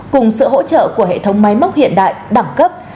cùng sự hỗ trợ của hệ thống máy móc hiện đại đẳng cấp